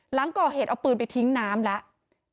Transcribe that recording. หลังก่อเหตุเอาปืนไปทิ้งน้ำแล้ว